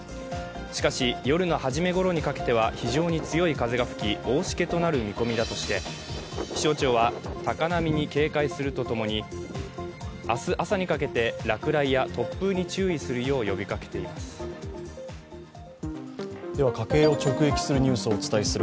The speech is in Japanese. しかし、夜の初めころにかけては非常に強い風が吹き大しけとなる見込みだとして気象庁は、高波に警戒するとともに明日朝にかけて、落雷や突風に注意するよう呼びかけています。